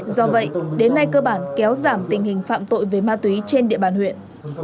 do vậy đến nay cơ bản kéo giảm tình hình phạm tội về ma túy trên địa bàn huyện